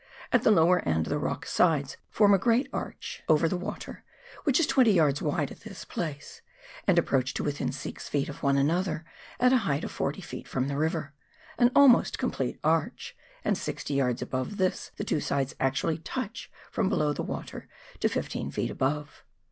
At the lower end the rock sides form a great arch KARANGARUA RIVER. 205 over the water — whicli is 20 yards wide at this place — and approach to within 6 ft. of one another at a height of 40 ft. from the river— an almost complete arch — and 60 yards above this the two sides actually touch from below the water to 15 ft. above.